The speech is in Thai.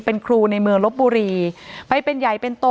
เป็นครูในเมืองลบบุรีไปเป็นใหญ่เป็นโต